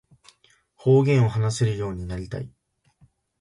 方言を話せるようになりたい